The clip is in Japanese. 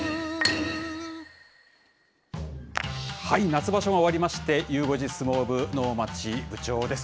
夏場所が終わりまして、ゆう５時相撲部、能町部長です。